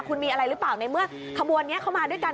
คุณมีอะไรหรือเปล่าในเมื่อขบวนนี้เข้ามาด้วยกัน